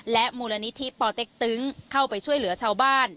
มูลนิธิปอเต็กตึงเข้าไปช่วยเหลือชาวบ้าน